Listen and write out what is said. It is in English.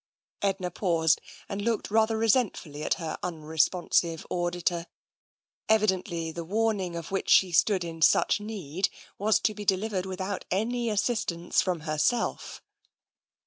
Edna paused, and looked rather resentfully at her unresponsive auditor. Evidently the warning of which she stood in such need was to be delivered with out any assistance from herself.